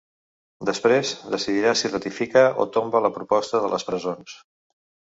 Després, decidirà si ratifica o tomba la proposta de les presons.